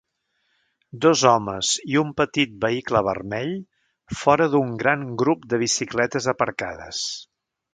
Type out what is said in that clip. Dos homes i un petit vehicle vermell fora d'un gran grup de bicicletes aparcades.